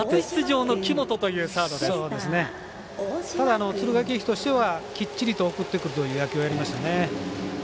ただ敦賀気比としてはきっちりと送ってくるという野球をやりましたね。